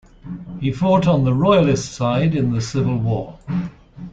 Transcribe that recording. He fought on the Royalist side in the Civil War.